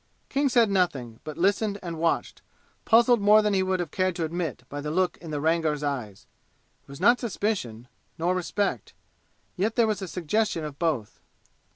King said nothing, but listened and watched, puzzled more than he would have cared to admit by the look in the Rangar's eyes. It was not suspicion nor respect. Yet there was a suggestion of both.